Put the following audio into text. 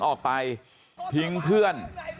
ออกไปทิ้งเพื่อน